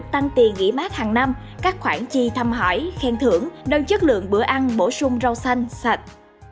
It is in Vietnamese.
tăng tiền nghỉ mát hàng năm các khoản chi thăm hỏi khen thưởng đơn chất lượng bữa ăn bổ sung rau xanh sạch